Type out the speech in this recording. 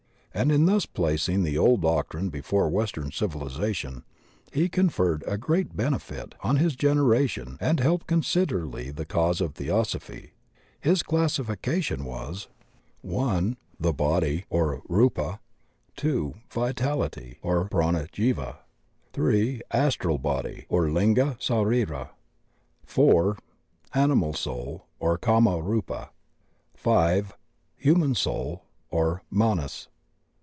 And in thus placing the old doctrine before western civil ization he cocierred a great benefit on his generation and helped considerably the cause of Theosophy. His classification was: (1.) The Body, or /^wpa. (2.) Vitality, or Prana Jiva, (3.) Astral Body, or Linga Sarira. (4.) Animal Soul, or Kama Rupa. (5.) Human Soul, or Manas.